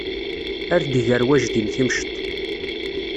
Ar d-iger wajdim timceḍt.